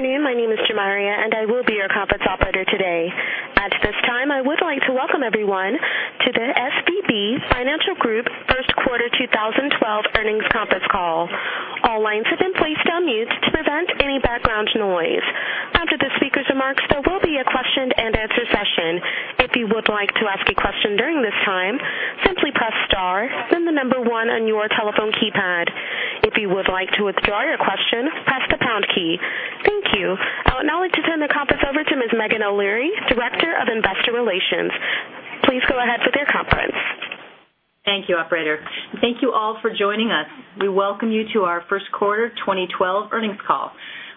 Good afternoon. My name is Jamaria, and I will be your conference operator today. At this time, I would like to welcome everyone to the SVB Financial Group First Quarter 2012 earnings conference call. All lines have been placed on mute to prevent any background noise. After the speaker's remarks, there will be a question and answer session. If you would like to ask a question during this time, simply press star, then the number one on your telephone keypad. If you would like to withdraw your question, press the pound key. Thank you. I would now like to turn the conference over to Ms. Meghan O'Leary, Director of Investor Relations. Please go ahead with your conference. Thank you, operator. Thank you all for joining us. We welcome you to our first quarter 2012 earnings call.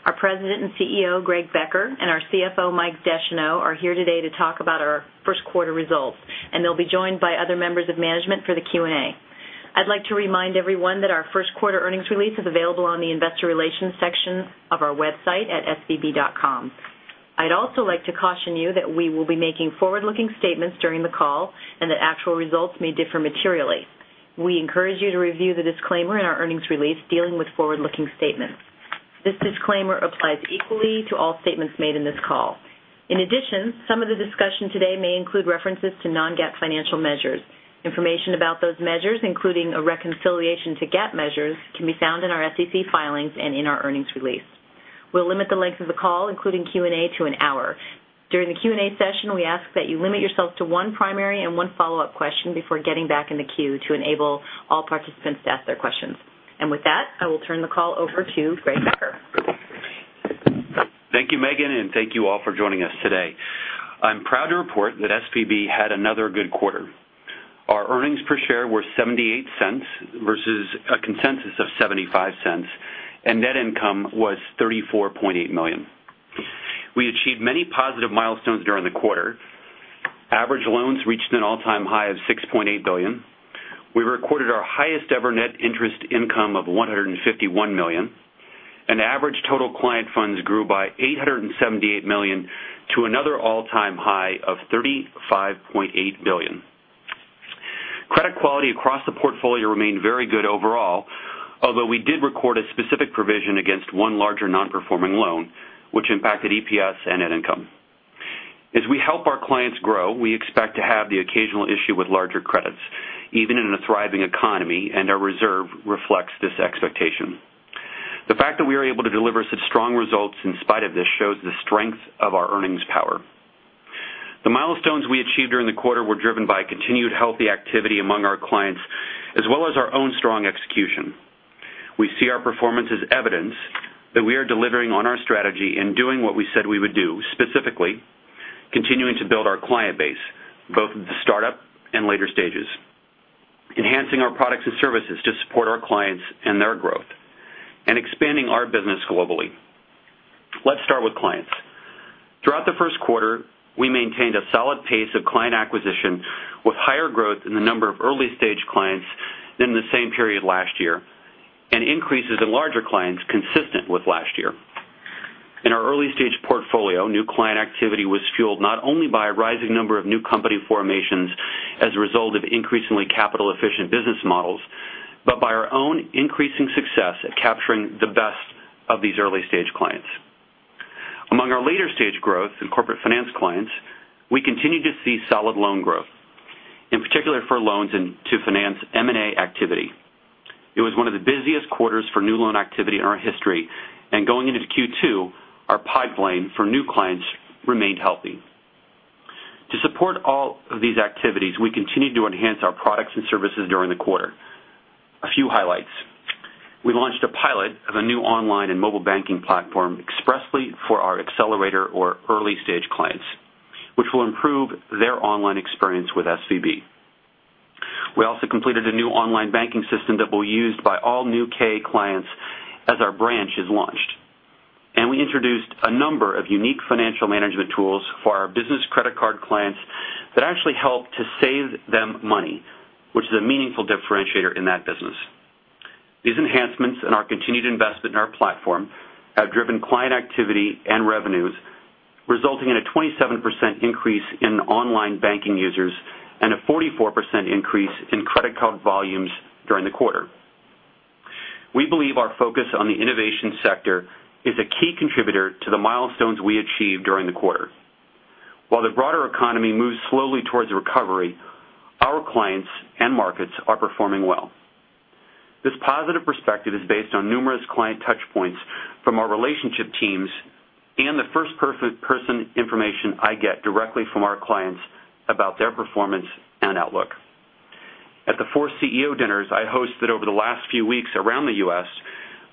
Our President and CEO, Greg Becker, and our CFO, Mike Descheneaux, are here today to talk about our first quarter results, and they'll be joined by other members of management for the Q&A. I'd like to remind everyone that our first quarter earnings release is available on the investor relations section of our website at svb.com. I'd also like to caution you that we will be making forward-looking statements during the call and that actual results may differ materially. We encourage you to review the disclaimer in our earnings release dealing with forward-looking statements. This disclaimer applies equally to all statements made in this call. In addition, some of the discussion today may include references to non-GAAP financial measures. Information about those measures, including a reconciliation to GAAP measures, can be found in our SEC filings and in our earnings release. We'll limit the length of the call, including Q&A, to an hour. During the Q&A session, we ask that you limit yourself to one primary and one follow-up question before getting back in the queue to enable all participants to ask their questions. With that, I will turn the call over to Greg Becker. Thank you, Meghan, and thank you all for joining us today. I'm proud to report that SVB had another good quarter. Our earnings per share were $0.78 versus a consensus of $0.75, and net income was $34.8 million. We achieved many positive milestones during the quarter. Average loans reached an all-time high of $6.8 billion. We recorded our highest-ever net interest income of $151 million, and average total client funds grew by $878 million to another all-time high of $35.8 billion. Credit quality across the portfolio remained very good overall, although we did record a specific provision against one larger non-performing loan, which impacted EPS and net income. As we help our clients grow, we expect to have the occasional issue with larger credits, even in a thriving economy, and our reserve reflects this expectation. The fact that we are able to deliver such strong results in spite of this shows the strength of our earnings power. The milestones we achieved during the quarter were driven by continued healthy activity among our clients, as well as our own strong execution. We see our performance as evidence that we are delivering on our strategy and doing what we said we would do, specifically continuing to build our client base, both at the startup and later stages. Enhancing our products and services to support our clients and their growth, expanding our business globally. Let's start with clients. Throughout the first quarter, we maintained a solid pace of client acquisition with higher growth in the number of early-stage clients than the same period last year, and increases in larger clients consistent with last year. In our early-stage portfolio, new client activity was fueled not only by a rising number of new company formations as a result of increasingly capital-efficient business models, but by our own increasing success at capturing the best of these early-stage clients. Among our later-stage growth and corporate finance clients, we continued to see solid loan growth, in particular for loans to finance M&A activity. It was one of the busiest quarters for new loan activity in our history. Going into Q2, our pipeline for new clients remained healthy. To support all of these activities, we continued to enhance our products and services during the quarter. A few highlights. We launched a pilot of a new online and mobile banking platform expressly for our accelerator or early-stage clients, which will improve their online experience with SVB. We also completed a new online banking system that will be used by all U.K. clients as our branch is launched. We introduced a number of unique financial management tools for our business credit card clients that actually help to save them money, which is a meaningful differentiator in that business. These enhancements and our continued investment in our platform have driven client activity and revenues, resulting in a 27% increase in online banking users and a 44% increase in credit card volumes during the quarter. We believe our focus on the innovation sector is a key contributor to the milestones we achieved during the quarter. While the broader economy moves slowly towards recovery, our clients and markets are performing well. This positive perspective is based on numerous client touchpoints from our relationship teams and the first-person information I get directly from our clients about their performance and outlook. At the four CEO dinners I hosted over the last few weeks around the U.S.,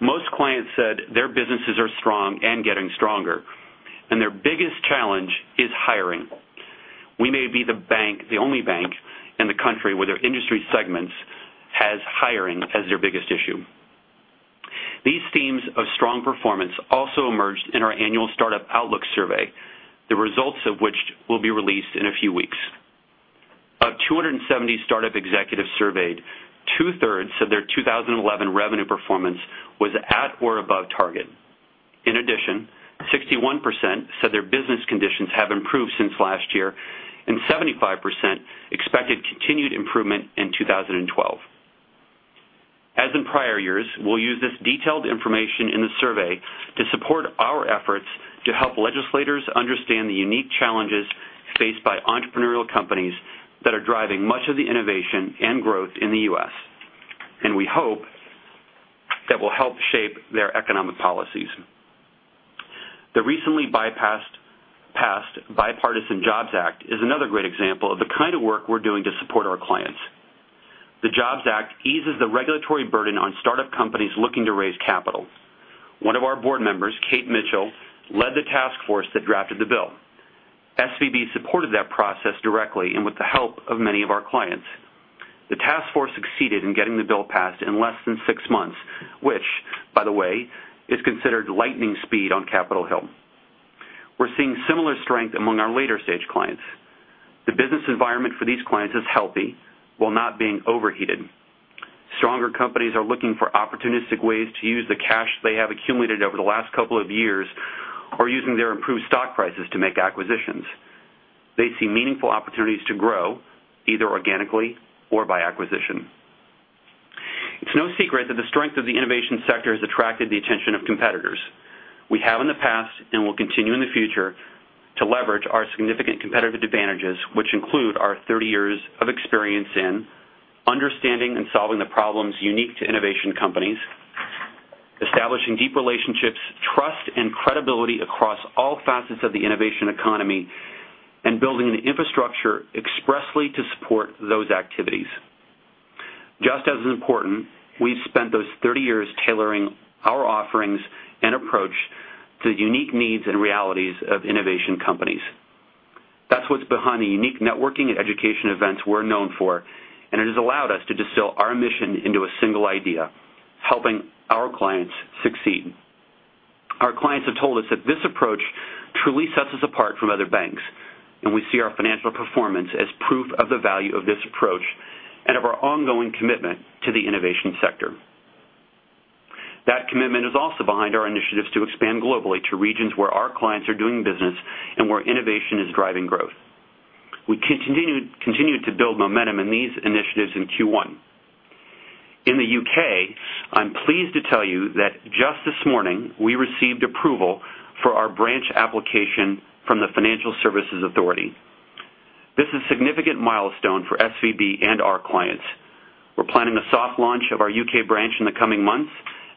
most clients said their businesses are strong and getting stronger, and their biggest challenge is hiring. We may be the only bank in the country where their industry segments has hiring as their biggest issue. These themes of strong performance also emerged in our annual Startup Outlook survey, the results of which will be released in a few weeks. Of 270 startup executives surveyed, two-thirds said their 2011 revenue performance was at or above target. In addition, 61% said their business conditions have improved since last year, and 75% expected continued improvement in 2012. As in prior years, we'll use this detailed information in the survey to support our efforts to help legislators understand the unique challenges faced by entrepreneurial companies that are driving much of the innovation and growth in the U.S. We hope that will help shape their economic policies. The recently passed JOBS Act is another great example of the kind of work we're doing to support our clients. The JOBS Act eases the regulatory burden on startup companies looking to raise capital. One of our board members, Kate Mitchell, led the task force that drafted the bill. SVB supported that process directly and with the help of many of our clients. The task force succeeded in getting the bill passed in less than 6 months, which, by the way, is considered lightning speed on Capitol Hill. We're seeing similar strength among our later-stage clients. The business environment for these clients is healthy while not being overheated. Stronger companies are looking for opportunistic ways to use the cash they have accumulated over the last couple of years or using their improved stock prices to make acquisitions. They see meaningful opportunities to grow, either organically or by acquisition. It's no secret that the strength of the innovation sector has attracted the attention of competitors. We have in the past and will continue in the future to leverage our significant competitive advantages, which include our 30 years of experience in understanding and solving the problems unique to innovation companies. Establishing deep relationships, trust, and credibility across all facets of the innovation economy, and building an infrastructure expressly to support those activities. Just as important, we've spent those 30 years tailoring our offerings and approach to the unique needs and realities of innovation companies. That's what's behind the unique networking and education events we're known for. It has allowed us to distill our mission into a single idea, helping our clients succeed. Our clients have told us that this approach truly sets us apart from other banks. We see our financial performance as proof of the value of this approach and of our ongoing commitment to the innovation sector. That commitment is also behind our initiatives to expand globally to regions where our clients are doing business and where innovation is driving growth. We continued to build momentum in these initiatives in Q1. In the U.K., I'm pleased to tell you that just this morning, we received approval for our branch application from the Financial Services Authority. This is a significant milestone for SVB and our clients. We're planning a soft launch of our U.K. branch in the coming months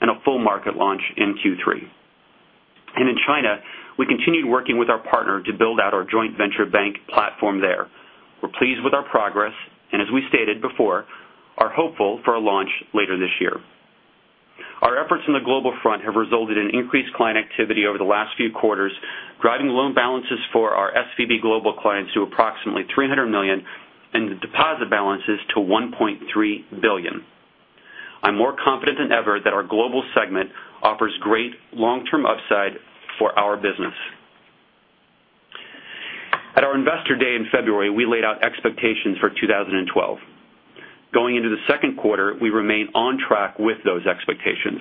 and a full market launch in Q3. In China, we continued working with our partner to build out our joint venture bank platform there. We're pleased with our progress. As we stated before, are hopeful for a launch later this year. Our efforts on the global front have resulted in increased client activity over the last few quarters, driving loan balances for our SVB Global clients to approximately $300 million and the deposit balances to $1.3 billion. I'm more confident than ever that our global segment offers great long-term upside for our business. At our Investor Day in February, we laid out expectations for 2012. Going into the second quarter, we remain on track with those expectations.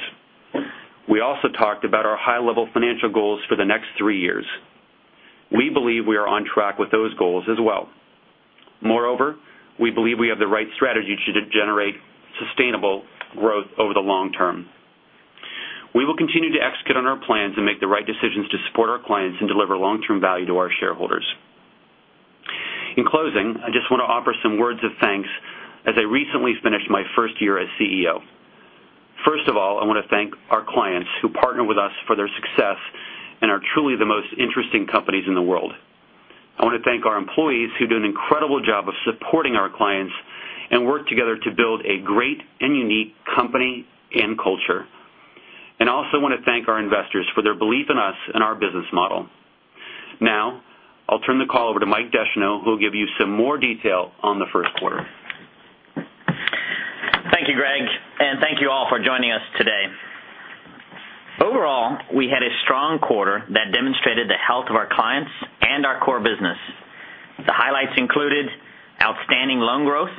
We also talked about our high-level financial goals for the next 3 years. We believe we are on track with those goals as well. Moreover, we believe we have the right strategy to generate sustainable growth over the long term. We will continue to execute on our plans and make the right decisions to support our clients and deliver long-term value to our shareholders. In closing, I just want to offer some words of thanks as I recently finished my first year as CEO. First of all, I want to thank our clients who partner with us for their success and are truly the most interesting companies in the world. I want to thank our employees who do an incredible job of supporting our clients and work together to build a great and unique company and culture. I also want to thank our investors for their belief in us and our business model. Now, I'll turn the call over to Mike Descheneaux, who will give you some more detail on the first quarter. Thank you, Greg, and thank you all for joining us today. Overall, we had a strong quarter that demonstrated the health of our clients and our core business. The highlights included outstanding loan growth,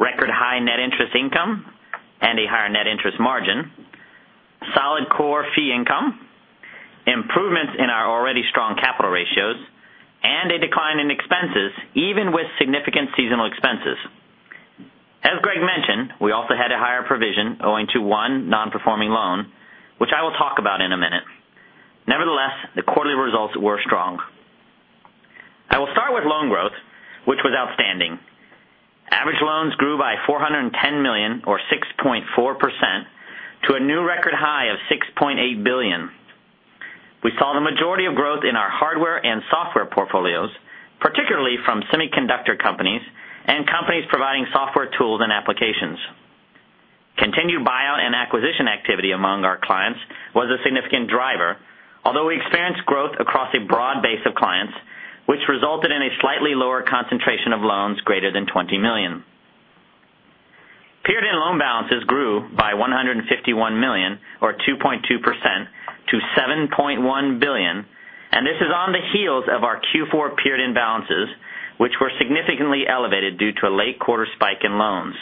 record high net interest income, and a higher net interest margin, solid core fee income, improvements in our already strong capital ratios, and a decline in expenses, even with significant seasonal expenses. As Greg mentioned, we also had a higher provision owing to one non-performing loan, which I will talk about in a minute. Nevertheless, the quarterly results were strong. I will start with loan growth, which was outstanding. Average loans grew by $410 million or 6.4% to a new record high of $6.8 billion. We saw the majority of growth in our hardware and software portfolios, particularly from semiconductor companies and companies providing software tools and applications. Continued buyout and acquisition activity among our clients was a significant driver, although we experienced growth across a broad base of clients, which resulted in a slightly lower concentration of loans greater than $20 million. Period-end loan balances grew by $151 million or 2.2% to $7.1 billion. This is on the heels of our Q4 period-end balances, which were significantly elevated due to a late quarter spike in loans.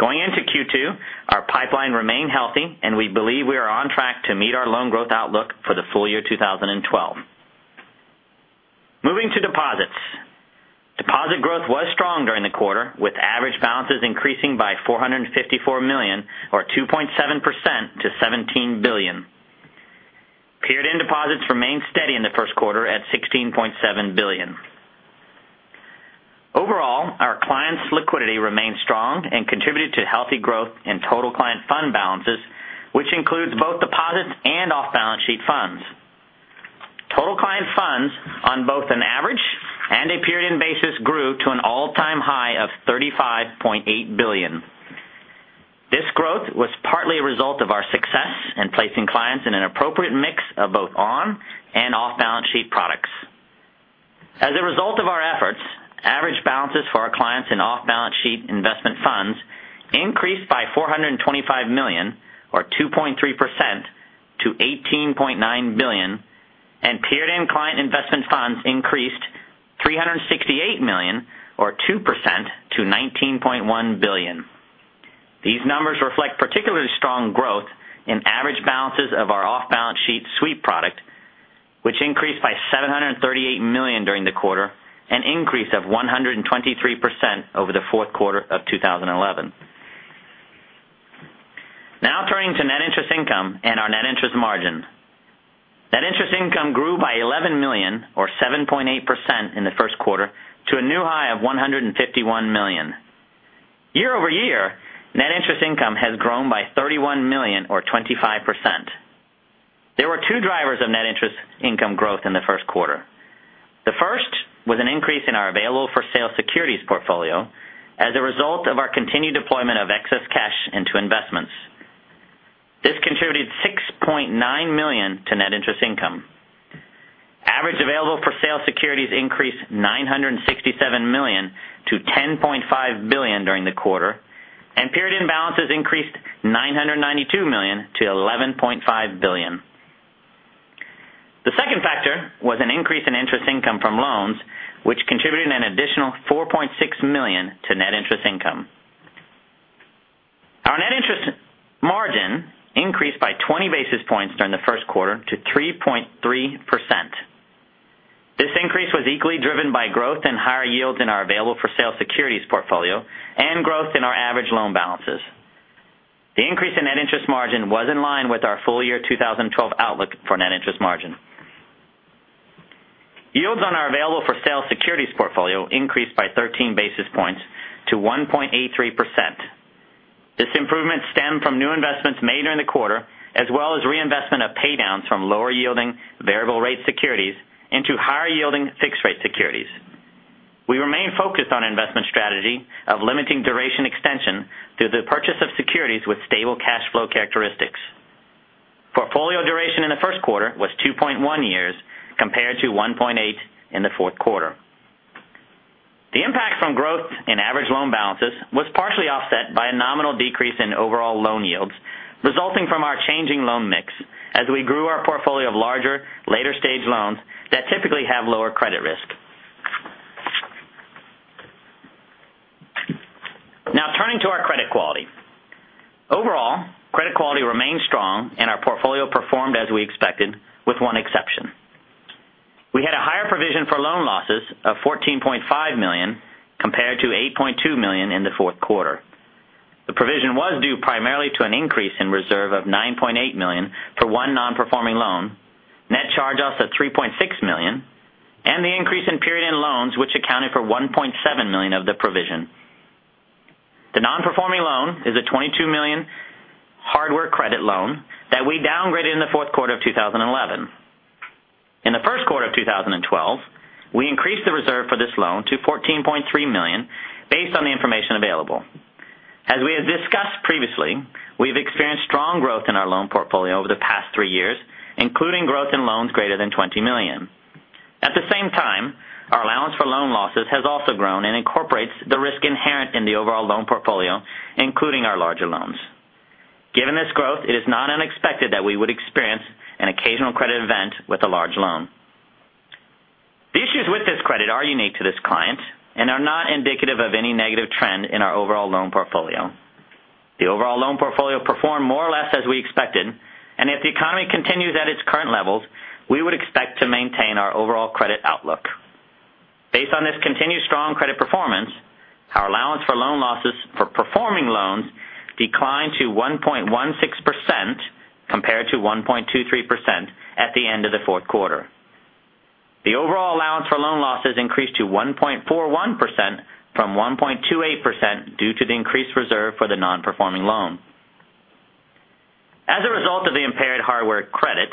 Going into Q2, our pipeline remained healthy and we believe we are on track to meet our loan growth outlook for the full year 2012. Deposit growth was strong during the quarter, with average balances increasing by $454 million or 2.7% to $17 billion. Period end deposits remained steady in the first quarter at $16.7 billion. Overall, our clients' liquidity remained strong and contributed to healthy growth in total client fund balances, which includes both deposits and off-balance sheet funds. Total client funds on both an average and a period end basis grew to an all-time high of $35.8 billion. This growth was partly a result of our success in placing clients in an appropriate mix of both on and off-balance sheet products. As a result of our efforts, average balances for our clients in off-balance sheet investment funds increased by $425 million or 2.3% to $18.9 billion, and period end client investment funds increased $368 million or 2% to $19.1 billion. These numbers reflect particularly strong growth in average balances of our off-balance sheet sweep product, which increased by $738 million during the quarter, an increase of 123% over the fourth quarter of 2011. Turning to net interest income and our net interest margin. Net interest income grew by $11 million or 7.8% in the first quarter to a new high of $151 million. Year-over-year, net interest income has grown by $31 million or 25%. There were two drivers of net interest income growth in the first quarter. The first was an increase in our available for sale securities portfolio as a result of our continued deployment of excess cash into investments. This contributed $6.9 million to net interest income. Average available for sale securities increased $967 million to $10.5 billion during the quarter, and period end balances increased $992 million to $11.5 billion. The second factor was an increase in interest income from loans, which contributed an additional $4.6 million to net interest income. Our net interest margin increased by 20 basis points during the first quarter to 3.3%. This increase was equally driven by growth in higher yields in our available for sale securities portfolio and growth in our average loan balances. The increase in net interest margin was in line with our full year 2012 outlook for net interest margin. Yields on our available for sale securities portfolio increased by 13 basis points to 1.83%. This improvement stemmed from new investments made during the quarter as well as reinvestment of paydowns from lower yielding variable rate securities into higher yielding fixed rate securities. We remain focused on investment strategy of limiting duration extension through the purchase of securities with stable cash flow characteristics. Portfolio duration in the first quarter was 2.1 years compared to 1.8 in the fourth quarter. The impact from growth in average loan balances was partially offset by a nominal decrease in overall loan yields, resulting from our changing loan mix as we grew our portfolio of larger, later stage loans that typically have lower credit risk. Turning to our credit quality. Overall, credit quality remained strong and our portfolio performed as we expected with one exception. We had a higher provision for loan losses of $14.5 million compared to $8.2 million in the fourth quarter. The provision was due primarily to an increase in reserve of $9.8 million for one non-performing loan, net charge-offs of $3.6 million, and the increase in period end loans, which accounted for $1.7 million of the provision. The non-performing loan is a $22 million hardware credit loan that we downgraded in the fourth quarter of 2011. In the first quarter of 2012, we increased the reserve for this loan to $14.3 million based on the information available. As we have discussed previously, we've experienced strong growth in our loan portfolio over the past three years, including growth in loans greater than $20 million. At the same time, our allowance for loan losses has also grown and incorporates the risk inherent in the overall loan portfolio, including our larger loans. Given this growth, it is not unexpected that we would experience an occasional credit event with a large loan. The issues with this credit are unique to this client and are not indicative of any negative trend in our overall loan portfolio. The overall loan portfolio performed more or less as we expected, and if the economy continues at its current levels, we would expect to maintain our overall credit outlook. Based on this continued strong credit performance, our allowance for loan losses for performing loans declined to 1.16%, compared to 1.23% at the end of the fourth quarter. The overall allowance for loan losses increased to 1.41% from 1.28% due to the increased reserve for the non-performing loan. As a result of the impaired hardware credit,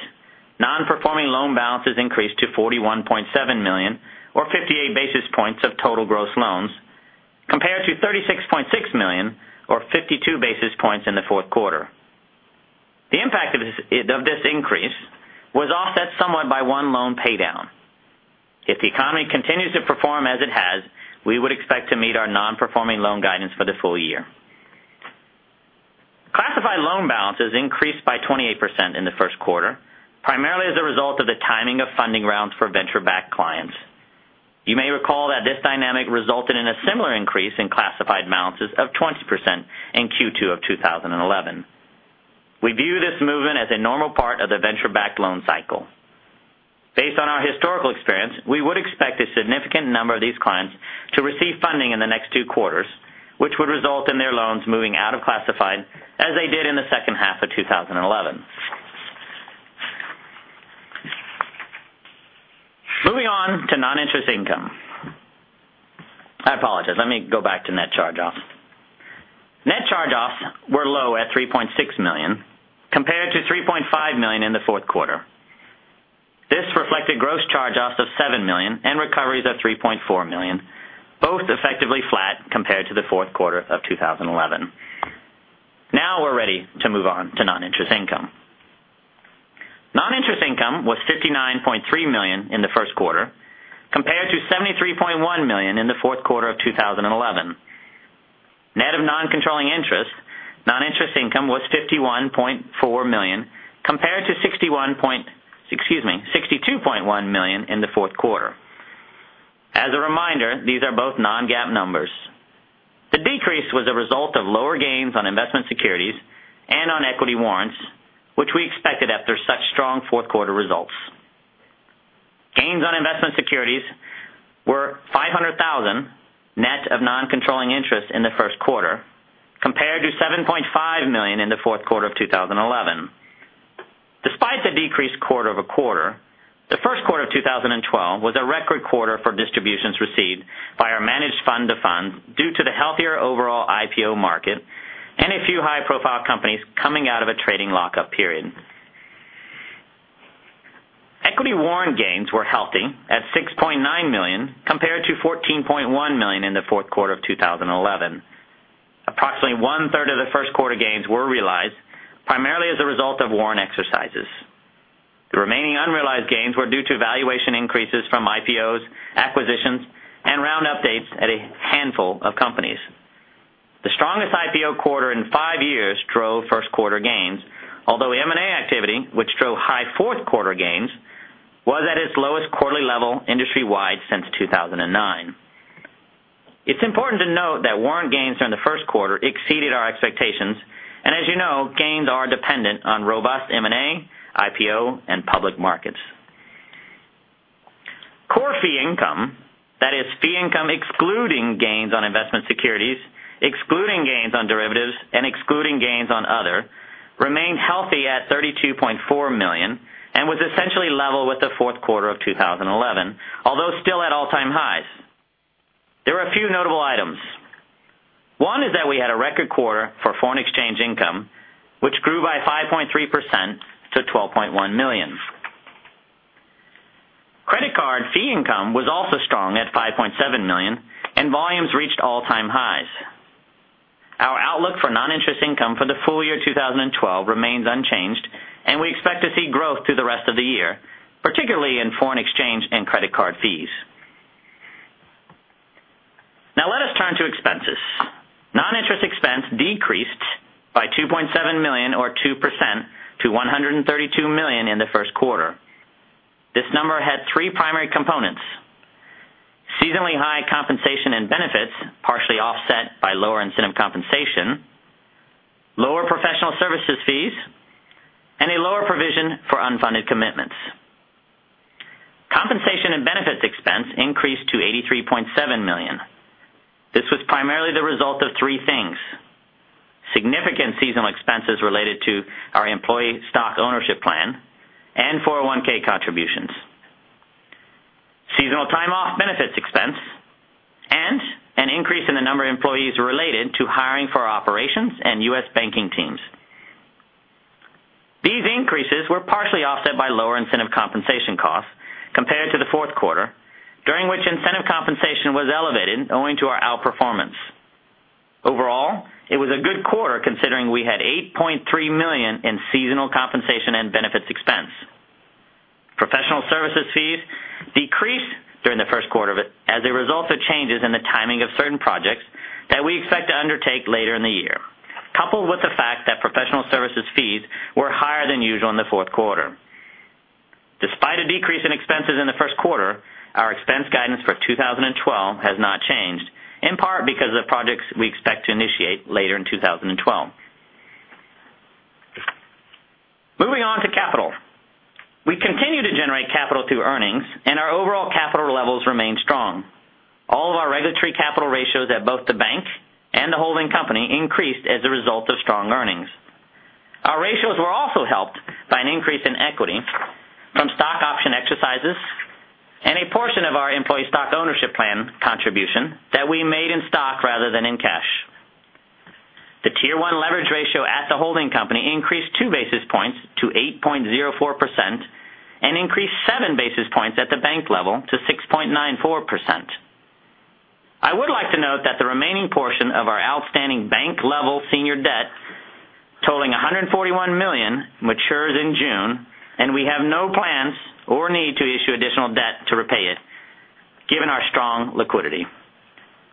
non-performing loan balances increased to $41.7 million or 58 basis points of total gross loans, compared to $36.6 million or 52 basis points in the fourth quarter. The impact of this increase was offset somewhat by one loan paydown. If the economy continues to perform as it has, we would expect to meet our non-performing loan guidance for the full year. Classified loan balances increased by 28% in the first quarter, primarily as a result of the timing of funding rounds for venture-backed clients. You may recall that this dynamic resulted in a similar increase in classified balances of 20% in Q2 of 2011. We view this movement as a normal part of the venture-backed loan cycle. Based on our historical experience, we would expect a significant number of these clients to receive funding in the next two quarters, which would result in their loans moving out of classified as they did in the second half of 2011. Moving on to non-interest income. I apologize, let me go back to net charge-offs. Net charge-offs were low at $3.6 million, compared to $3.5 million in the fourth quarter. This reflected gross charge-offs of $7 million and recoveries of $3.4 million, both effectively flat compared to the fourth quarter of 2011. We're ready to move on to non-interest income. Non-interest income was $59.3 million in the first quarter, compared to $73.1 million in the fourth quarter of 2011. Net of non-controlling interest, non-interest income was $51.4 million, compared to $62.1 million in the fourth quarter. As a reminder, these are both non-GAAP numbers. The decrease was a result of lower gains on investment securities and on equity warrants, which we expected after such strong fourth quarter results. Gains on investment securities were $500,000 net of non-controlling interest in the first quarter, compared to $7.5 million in the fourth quarter of 2011. Despite the decreased quarter-over-quarter, the first quarter of 2012 was a record quarter for distributions received by our managed fund to funds due to the healthier overall IPO market and a few high-profile companies coming out of a trading lockup period. Equity warrant gains were healthy at $6.9 million, compared to $14.1 million in the fourth quarter of 2011. Approximately one-third of the first quarter gains were realized, primarily as a result of warrant exercises. The remaining unrealized gains were due to valuation increases from IPOs, acquisitions, and round updates at a handful of companies. The strongest IPO quarter in five years drove first quarter gains, although M&A activity, which drove high fourth quarter gains, was at its lowest quarterly level industry-wide since 2009. It's important to note that warrant gains during the first quarter exceeded our expectations, and as you know, gains are dependent on robust M&A, IPO, and public markets. Core fee income, that is fee income excluding gains on investment securities, excluding gains on derivatives, and excluding gains on other, remained healthy at $32.4 million and was essentially level with the fourth quarter of 2011, although still at all-time highs. There are a few notable items. One is that we had a record quarter for foreign exchange income, which grew by 5.3% to $12.1 million. Credit card fee income was also strong at $5.7 million and volumes reached all-time highs. Our outlook for non-interest income for the full year 2012 remains unchanged. We expect to see growth through the rest of the year, particularly in foreign exchange and credit card fees. Now let us turn to expenses. Non-interest expense decreased by $2.7 million or 2% to $132 million in the first quarter. This number had three primary components. Seasonally high compensation and benefits, partially offset by lower incentive compensation, lower professional services fees, and a lower provision for unfunded commitments. Compensation and benefits expense increased to $83.7 million. This was primarily the result of three things. Significant seasonal expenses related to our employee stock ownership plan and 401(k) contributions, seasonal time off benefits expense, and an increase in the number of employees related to hiring for our operations and U.S. banking teams. These increases were partially offset by lower incentive compensation costs compared to the fourth quarter, during which incentive compensation was elevated owing to our outperformance. Overall, it was a good quarter, considering we had $8.3 million in seasonal compensation and benefits expense. Professional services fees decreased during the first quarter as a result of changes in the timing of certain projects that we expect to undertake later in the year, coupled with the fact that professional services fees were higher than usual in the fourth quarter. Despite a decrease in expenses in the first quarter, our expense guidance for 2012 has not changed, in part because of the projects we expect to initiate later in 2012. Moving on to capital. We continue to generate capital through earnings, and our overall capital levels remain strong. All of our regulatory capital ratios at both the bank and the holding company increased as a result of strong earnings. Our ratios were also helped by an increase in equity from stock option exercises and a portion of our employee stock ownership plan contribution that we made in stock rather than in cash. The Tier 1 leverage ratio at the holding company increased two basis points to 8.04% and increased seven basis points at the bank level to 6.94%. I would like to note that the remaining portion of our outstanding bank-level senior debt totaling $141 million matures in June. We have no plans or need to issue additional debt to repay it given our strong liquidity.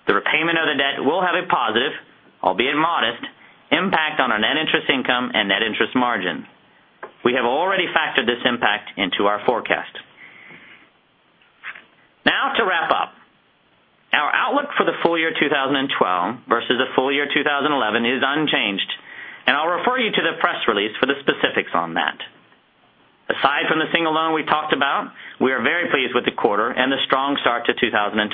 The repayment of the debt will have a positive, albeit modest, impact on our net interest income and net interest margin. We have already factored this impact into our forecast. 2012 versus the full year 2011 is unchanged. I'll refer you to the press release for the specifics on that. Aside from the single loan we talked about, we are very pleased with the quarter and the strong start to 2012.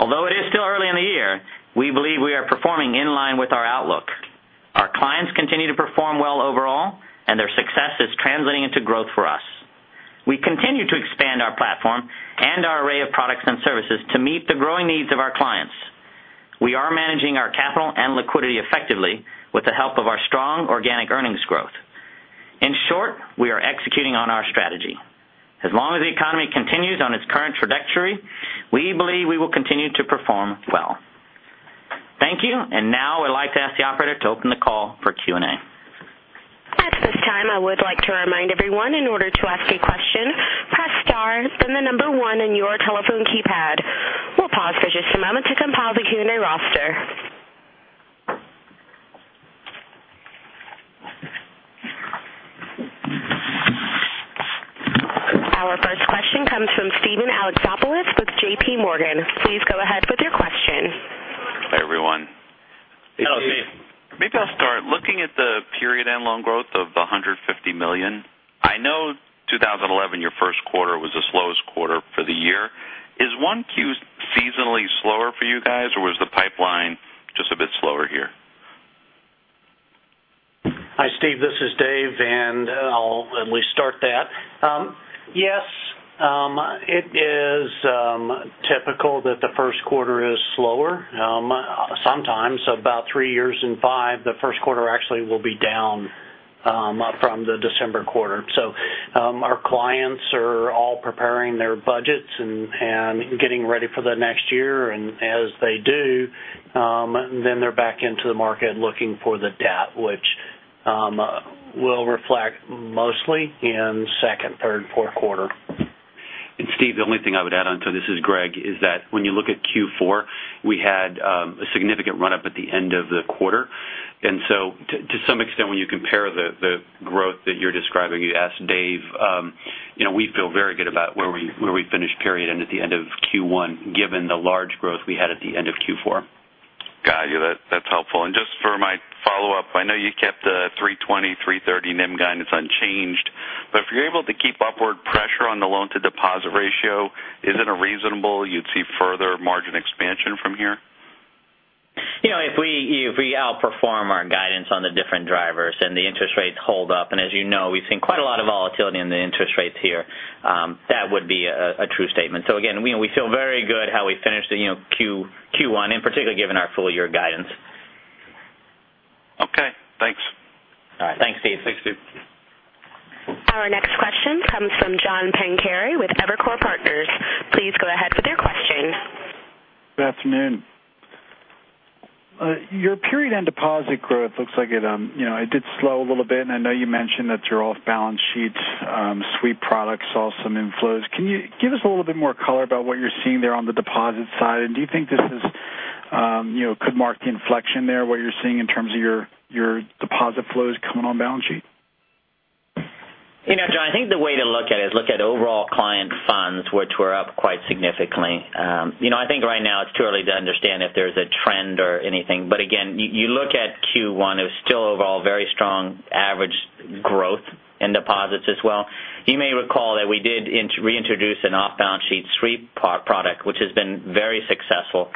Although it is still early in the year, we believe we are performing in line with our outlook. Our clients continue to perform well overall, and their success is translating into growth for us. We continue to expand our platform and our array of products and services to meet the growing needs of our clients. We are managing our capital and liquidity effectively with the help of our strong organic earnings growth. In short, we are executing on our strategy. As long as the economy continues on its current trajectory, we believe we will continue to perform well. Thank you. Now I'd like to ask the operator to open the call for Q&A. At this time, I would like to remind everyone, in order to ask a question, press star, then the number one on your telephone keypad. We'll pause for just a moment to compile the Q&A roster. Our first question comes from Steven Alexopoulos with JPMorgan. Please go ahead with your question. Hi, everyone. Hello, Steve. Maybe I'll start. Looking at the period end loan growth of the $150 million, I know 2011, your first quarter was the slowest quarter for the year. Is 1Q seasonally slower for you guys, or was the pipeline just a bit slower here? Hi, Steve, this is Dave. I'll at least start that. Yes. It is typical that the first quarter is slower. Sometimes, about three years in five, the first quarter actually will be down from the December quarter. Our clients are all preparing their budgets and getting ready for the next year. As they do, then they're back into the market looking for the debt, which will reflect mostly in second, third, fourth quarter. Steve, the only thing I would add on to this is, Greg, is that when you look at Q4, we had a significant run-up at the end of the quarter. To some extent, when you compare the growth that you're describing, you asked Dave, we feel very good about where we finished period end at the end of Q1, given the large growth we had at the end of Q4. Got you. That's helpful. Just for my follow-up, I know you kept the 320, 330 NIM guidance unchanged, but if you're able to keep upward pressure on the loan to deposit ratio, is it unreasonable you'd see further margin expansion from here? If we outperform our guidance on the different drivers and the interest rates hold up, and as you know, we've seen quite a lot of volatility in the interest rates here, that would be a true statement. Again, we feel very good how we finished Q1, in particular, given our full year guidance. Okay. Thanks. All right. Thanks, Steve. Thanks, Steve. Our next question comes from John Pancari with Evercore Partners. Please go ahead with your question. Good afternoon. Your period end deposit growth looks like it did slow a little bit, and I know you mentioned that your off-balance sheet sweep products saw some inflows. Can you give us a little bit more color about what you're seeing there on the deposit side? Do you think this could mark the inflection there, what you're seeing in terms of your deposit flows coming on balance sheet? John, I think the way to look at it is look at overall client funds, which were up quite significantly. I think right now it's too early to understand if there's a trend or anything. Again, you look at Q1, it was still overall very strong average growth in deposits as well. You may recall that we did reintroduce an off-balance sheet sweep product, which has been very successful.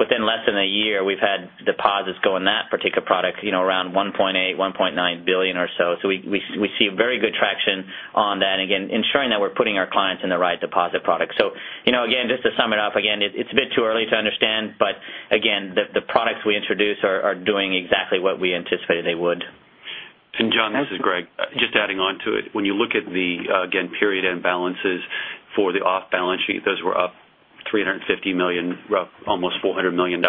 Within less than a year, we've had deposits go in that particular product around $1.8 billion-$1.9 billion or so. We see a very good traction on that, and again, ensuring that we're putting our clients in the right deposit product. Again, just to sum it up again, it's a bit too early to understand, again, the products we introduced are doing exactly what we anticipated they would. John, this is Greg. Just adding on to it. When you look at the period end balances for the off-balance sheet, those were up $350 million, almost $400 million.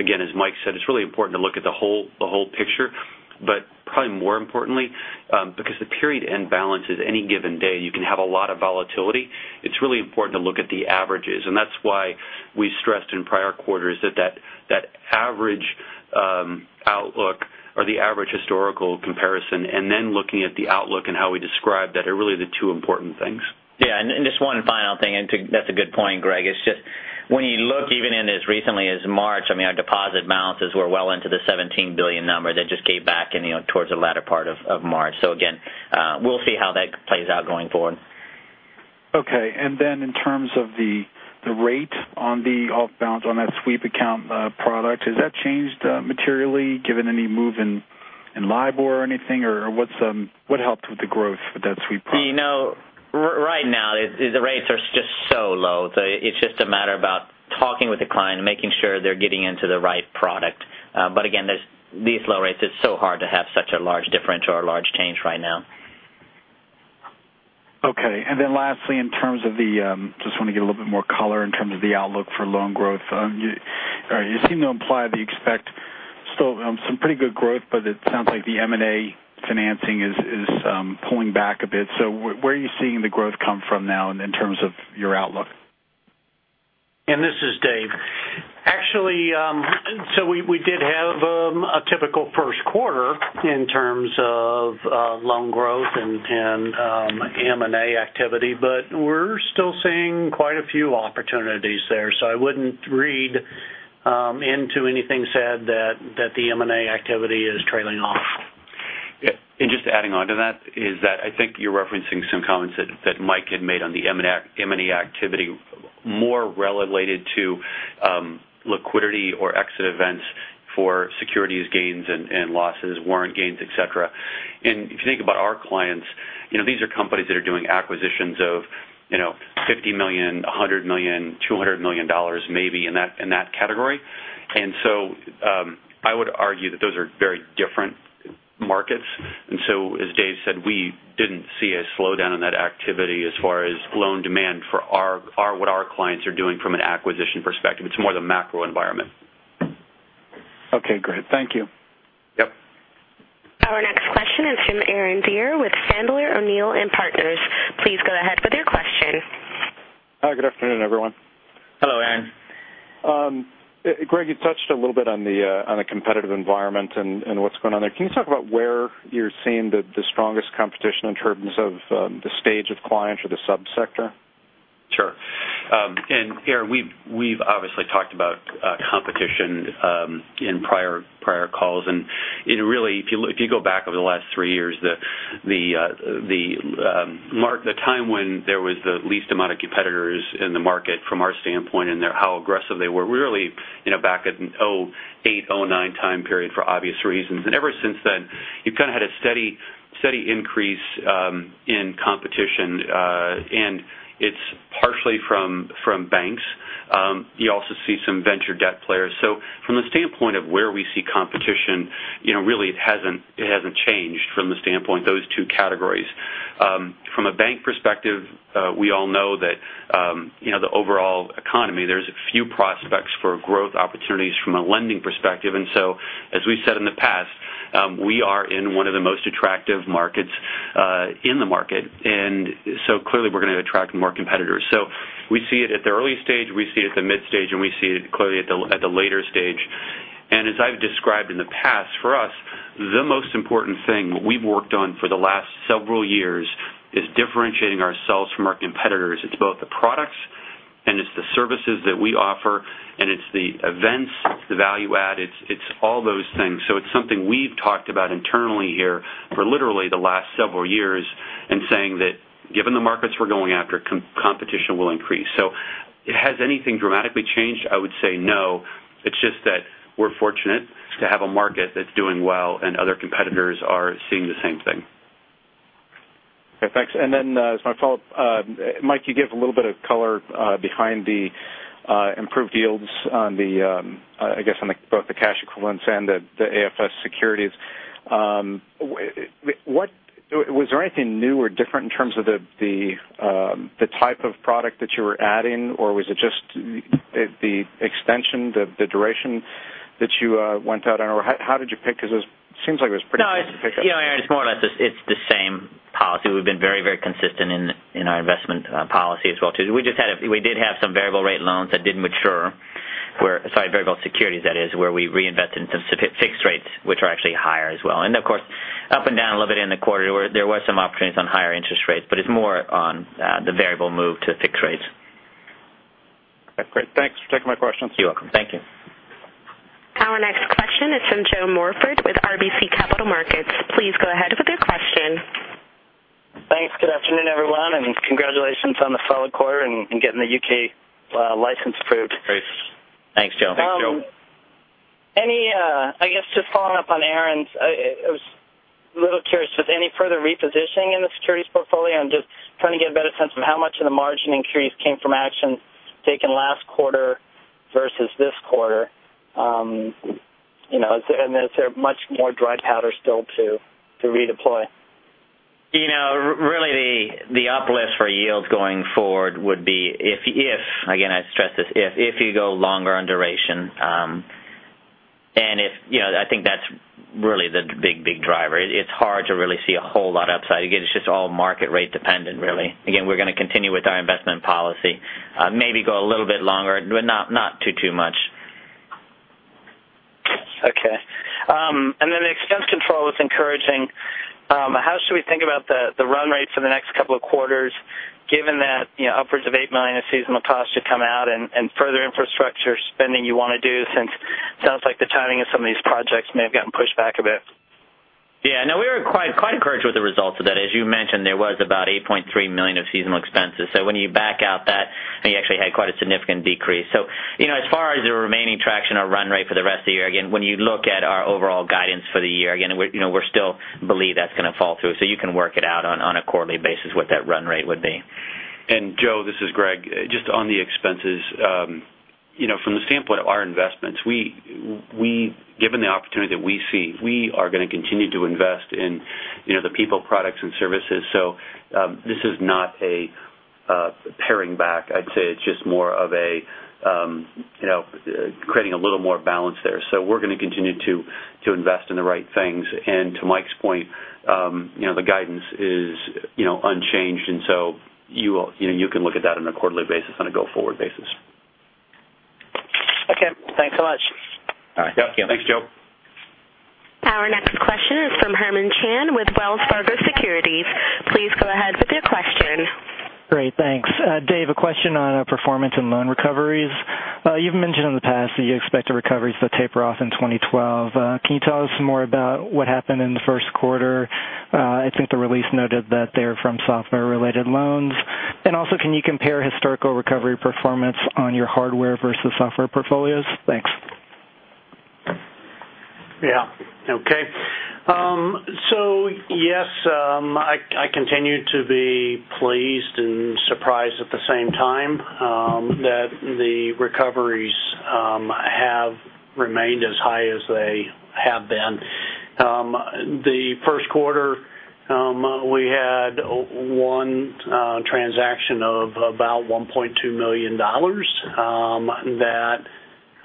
Again, as Mike said, it's really important to look at the whole picture, but probably more importantly, because the period end balances, any given day, you can have a lot of volatility. It's really important to look at the averages, and that's why we stressed in prior quarters that the average historical comparison, then looking at the outlook and how we describe that are really the two important things. Yeah. Just one final thing, and that's a good point, Greg. It's just when you look even in as recently as March, our deposit balances were well into the $17 billion number that just came back in towards the latter part of March. Again, we'll see how that plays out going forward. Okay. Then in terms of the rate on the off-balance sheet on that sweep account product, has that changed materially given any move in LIBOR or anything, or what helped with the growth for that sweep product? Right now, the rates are just so low. It's just a matter about talking with the client and making sure they're getting into the right product. Again, these low rates, it's so hard to have such a large differential or large change right now. Okay. Lastly, just want to get a little bit more color in terms of the outlook for loan growth. You seem to imply that you expect still some pretty good growth, but it sounds like the M&A financing is pulling back a bit. Where are you seeing the growth come from now in terms of your outlook? This is Dave. Actually, we did have Typical first quarter in terms of loan growth and M&A activity, but we're still seeing quite a few opportunities there. I wouldn't read into anything said that the M&A activity is trailing off. Yeah. Just adding on to that is that I think you're referencing some comments that Mike had made on the M&A activity more related to liquidity or exit events for securities gains and losses, warrant gains, et cetera. If you think about our clients, these are companies that are doing acquisitions of $50 million, $100 million, $200 million maybe in that category. I would argue that those are very different markets. As Dave said, we didn't see a slowdown in that activity as far as loan demand for what our clients are doing from an acquisition perspective. It's more the macro environment. Okay, great. Thank you. Yep. Our next question is from Aaron Deer with Sandler O'Neill & Partners. Please go ahead with your question. Hi, good afternoon, everyone. Hello, Aaron. Greg, you touched a little bit on the competitive environment and what's going on there. Can you talk about where you're seeing the strongest competition in terms of the stage of clients or the sub-sector? Sure. Aaron, we've obviously talked about competition in prior calls. Really, if you go back over the last three years, the time when there was the least amount of competitors in the market from our standpoint and how aggressive they were really back in 2008, 2009 time period for obvious reasons. Ever since then, you've kind of had a steady increase in competition. It's partially from banks. You also see some venture debt players. From the standpoint of where we see competition, really it hasn't changed from the standpoint, those two categories. From a bank perspective, we all know that the overall economy, there's few prospects for growth opportunities from a lending perspective. As we've said in the past, we are in one of the most attractive markets in the market. Clearly we're going to attract more competitors. We see it at the early stage, we see it at the mid stage, and we see it clearly at the later stage. As I've described in the past, for us, the most important thing we've worked on for the last several years is differentiating ourselves from our competitors. It's both the products and it's the services that we offer, and it's the events, the value add. It's all those things. It's something we've talked about internally here for literally the last several years and saying that given the markets we're going after, competition will increase. Has anything dramatically changed? I would say no. It's just that we're fortunate to have a market that's doing well and other competitors are seeing the same thing. Okay, thanks. As my follow-up, Mike, you gave a little bit of color behind the improved yields on both the cash equivalents and the AFS securities. Was there anything new or different in terms of the type of product that you were adding, or was it just the extension, the duration that you went out on, or how did you pick? Because it seems like it was pretty hard to pick up. No, Aaron, it's more or less it's the same policy. We've been very consistent in our investment policy as well too. We did have some variable rate loans that did mature where, sorry, variable securities that is, where we reinvested in some fixed rates, which are actually higher as well. Of course, up and down a little bit in the quarter where there was some opportunities on higher interest rates, but it's more on the variable move to fixed rates. Okay, great. Thanks for taking my questions. You're welcome. Thank you. Our next question is from Joe Morford with RBC Capital Markets. Please go ahead with your question. Thanks. Good afternoon, everyone, and congratulations on the solid quarter and getting the U.K. license approved. Thanks. Thanks, Joe. Thanks, Joe. I guess just following up on Aaron's, I was a little curious, was any further repositioning in the securities portfolio? I'm just trying to get a better sense of how much of the margin increase came from actions taken last quarter versus this quarter. Is there much more dry powder still to redeploy? Really the uplift for yields going forward would be if, again, I stress this, if you go longer on duration. I think that's really the big driver. It's hard to really see a whole lot upside. Again, it's just all market rate dependent really. Again, we're going to continue with our investment policy. Maybe go a little bit longer, but not too much. Okay. The expense control was encouraging. How should we think about the run rate for the next couple of quarters given that upwards of $8 million of seasonal costs should come out and further infrastructure spending you want to do since it sounds like the timing of some of these projects may have gotten pushed back a bit. Yeah, no, we were quite encouraged with the results of that. As you mentioned, there was about $8.3 million of seasonal expenses. When you back out that, you actually had quite a significant decrease. As far as the remaining traction or run rate for the rest of the year, again, when you look at our overall guidance for the year, again, we still believe that's going to fall through. You can work it out on a quarterly basis what that run rate would be. Joe, this is Greg. Just on the expenses. From the standpoint of our investments, given the opportunity that we see, we are going to continue to invest in the people, products, and services. This is not a paring back. I'd say it's just more of creating a little more balance there. We're going to continue to invest in the right things. To Mike's point, the guidance is unchanged, you can look at that on a quarterly basis on a go forward basis. Okay. Thanks so much. All right. Yep. Thanks, Joe. Our next question is from Herman Chan with Wells Fargo Securities. Please go ahead with your question. Great. Thanks. Dave, a question on performance and loan recoveries. You've mentioned in the past that you expect the recoveries to taper off in 2012. Can you tell us more about what happened in the first quarter? I think the release noted that they're from software related loans. Also, can you compare historical recovery performance on your hardware versus software portfolios? Thanks. Yeah. Okay. Yes, I continue to be pleased and surprised at the same time that the recoveries have remained as high as they have been. The first quarter, we had one transaction of about $1.2 million. That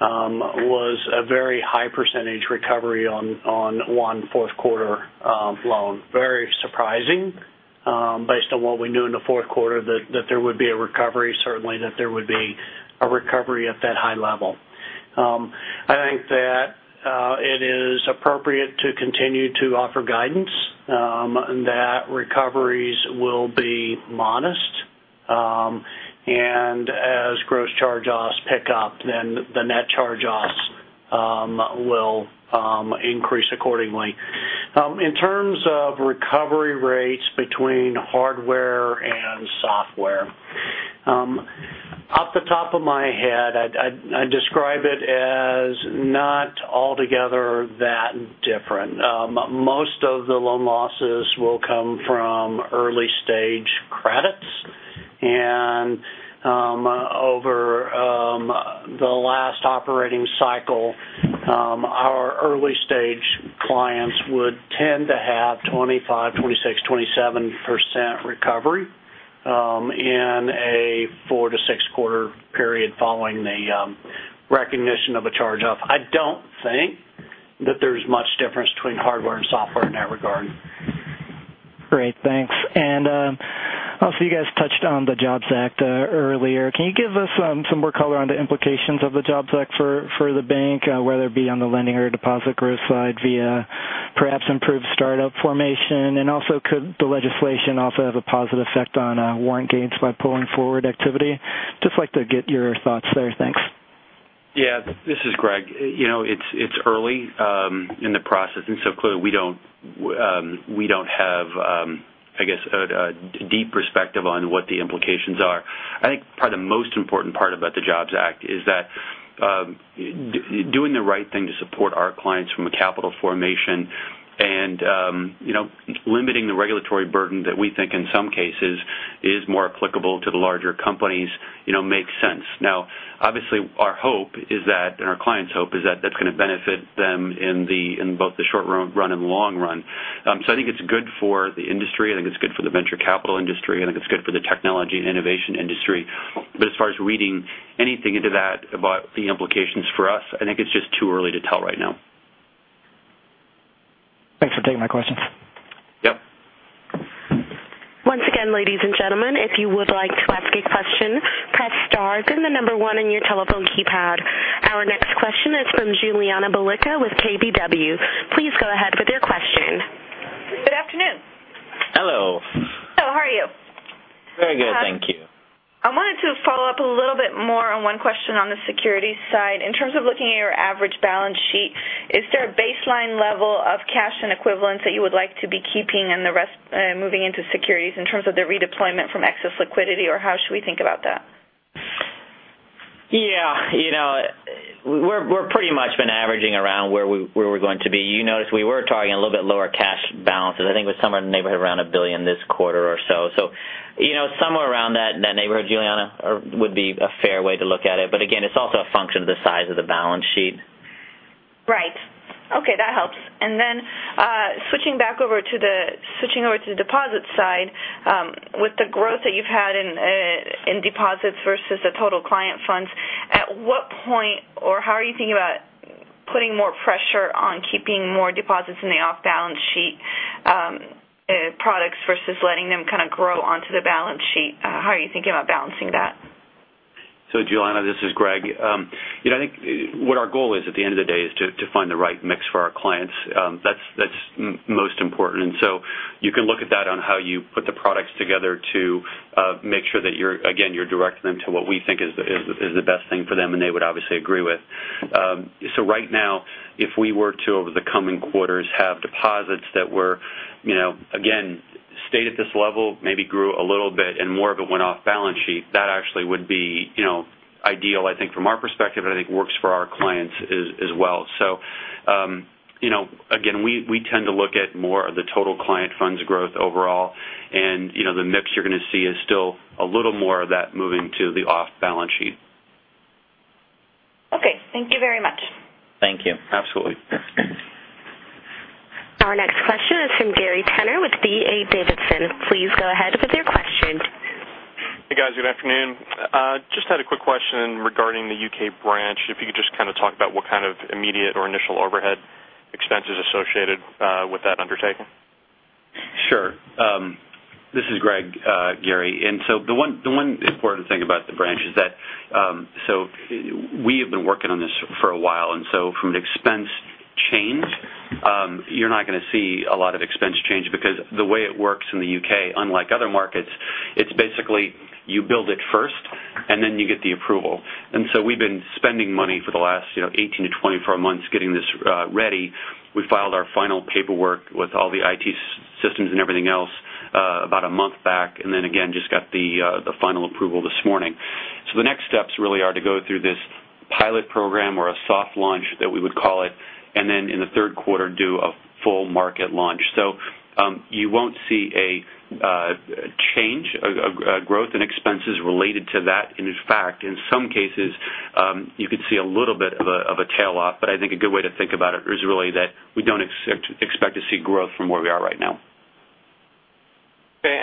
was a very high percentage recovery on one fourth quarter loan. Very surprising, based on what we knew in the fourth quarter, that there would be a recovery, certainly that there would be a recovery at that high level. I think that it is appropriate to continue to offer guidance that recoveries will be modest, and as gross charge-offs pick up, then the net charge-offs will increase accordingly. In terms of recovery rates between hardware and software. Off the top of my head, I'd describe it as not altogether that different. Most of the loan losses will come from early-stage credits. Over the last operating cycle, our early-stage clients would tend to have 25%, 26%, 27% recovery in a four to six quarter period following the recognition of a charge-off. I don't think that there's much difference between hardware and software in that regard. Great, thanks. Also, you guys touched on the JOBS Act earlier. Can you give us some more color on the implications of the JOBS Act for the bank, whether it be on the lending or deposit growth side via perhaps improved startup formation? Also, could the legislation also have a positive effect on warrant gains by pulling forward activity? Just like to get your thoughts there. Thanks. Yeah. This is Greg. It's early in the process. Clearly we don't have, I guess, a deep perspective on what the implications are. I think probably the most important part about the JOBS Act is that doing the right thing to support our clients from a capital formation and limiting the regulatory burden that we think in some cases is more applicable to the larger companies makes sense. Obviously our hope is that, and our clients' hope is that that's going to benefit them in both the short run and long run. I think it's good for the industry. I think it's good for the venture capital industry. I think it's good for the technology and innovation industry. As far as reading anything into that about the implications for us, I think it's just too early to tell right now. Thanks for taking my questions. Yep. Once again, ladies and gentlemen, if you would like to ask a question, press star then the number 1 on your telephone keypad. Our next question is from Juliana Balicka with KBW. Please go ahead with your question. Good afternoon. Hello. Hello. How are you? Very good, thank you. I wanted to follow up a little bit more on one question on the securities side. In terms of looking at your average balance sheet, is there a baseline level of cash and equivalents that you would like to be keeping and the rest moving into securities in terms of the redeployment from excess liquidity, or how should we think about that? Yeah. We've pretty much been averaging around where we're going to be. You notice we were targeting a little bit lower cash balances. I think it was somewhere in the neighborhood around $1 billion this quarter or so. Somewhere around that neighborhood, Juliana, would be a fair way to look at it. Again, it's also a function of the size of the balance sheet. Right. Okay, that helps. Then switching over to the deposit side, with the growth that you've had in deposits versus the total client funds, at what point or how are you thinking about putting more pressure on keeping more deposits in the off-balance sheet products versus letting them kind of grow onto the balance sheet? How are you thinking about balancing that? Juliana, this is Greg. I think what our goal is at the end of the day is to find the right mix for our clients. That's most important. You can look at that on how you put the products together to make sure that you're, again, you're directing them to what we think is the best thing for them, and they would obviously agree with. Right now, if we were to, over the coming quarters, have deposits that were again, stayed at this level, maybe grew a little bit and more of it went off-balance sheet, that actually would be ideal, I think, from our perspective, and I think works for our clients as well. Again, we tend to look at more of the total client funds growth overall. The mix you're going to see is still a little more of that moving to the off-balance sheet. Okay. Thank you very much. Thank you. Absolutely. Our next question is from Gary Tenner with D.A. Davidson. Please go ahead with your question. Hey, guys. Good afternoon. Just had a quick question regarding the U.K. branch. If you could just kind of talk about what kind of immediate or initial overhead expenses associated with that undertaking. This is Greg Becker, Gary Tenner. The one important thing about the branch is that we have been working on this for a while, from an expense change, you're not going to see a lot of expense change because the way it works in the U.K., unlike other markets, it's basically you build it first and then you get the approval. We've been spending money for the last 18-24 months getting this ready. We filed our final paperwork with all the IT systems and everything else about a month back, and then again, just got the final approval this morning. The next steps really are to go through this pilot program or a soft launch that we would call it, and then in the third quarter, do a full market launch. You won't see a change of growth and expenses related to that. In fact, in some cases, you could see a little bit of a tail off. I think a good way to think about it is really that we don't expect to see growth from where we are right now. Okay,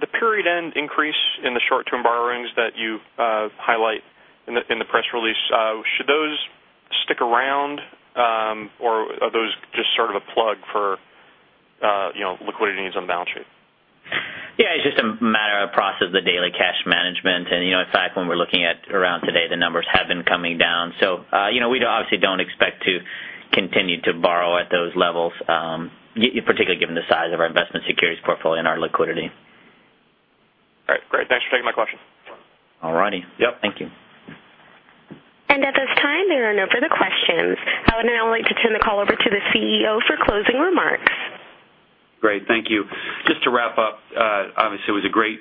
the period-end increase in the short-term borrowings that you highlight in the press release, should those stick around, or are those just sort of a plug for liquidity needs on the balance sheet? Yeah, it's just a matter of process of daily cash management. In fact, when we're looking at around today, the numbers have been coming down. We obviously don't expect to continue to borrow at those levels, particularly given the size of our investment securities portfolio and our liquidity. All right, great. Thanks for taking my question. All righty. Yep. Thank you. At this time, there are no further questions. I would now like to turn the call over to the CEO for closing remarks. Great. Thank you. Just to wrap up, obviously it was a great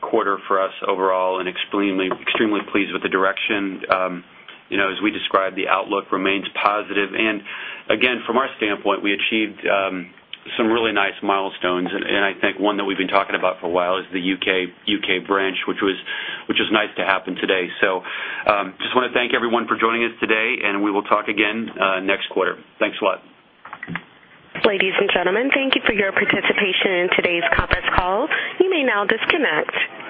quarter for us overall and extremely pleased with the direction. As we described, the outlook remains positive. Again, from our standpoint, we achieved some really nice milestones. I think one that we've been talking about for a while is the U.K. branch, which was nice to happen today. Just want to thank everyone for joining us today, and we will talk again next quarter. Thanks a lot. Ladies and gentlemen, thank you for your participation in today's conference call. You may now disconnect.